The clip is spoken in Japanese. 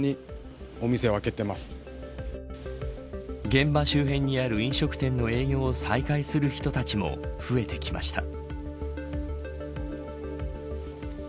現場周辺にある飲食店の営業を再開する人たちも増えてきました。